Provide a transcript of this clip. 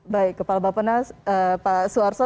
baik kepala bapak nas pak suarso